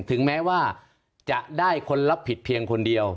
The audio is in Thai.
ถึงแม้ว่าจะได้คนรับผิดเพียงคนเดียว